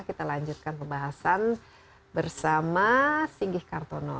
kita lanjutkan pembahasan bersama singgih kartono